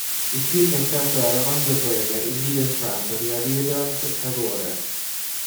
Il film è tratto dal romanzo breve "Il nido infranto" di Rabindranath Tagore.